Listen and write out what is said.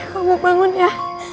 kamu bangun ya